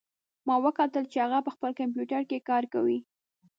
ما وکتل چې هغه په خپل کمپیوټر کې کار کوي